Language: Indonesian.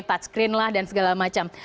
touch screen lah dan segala macam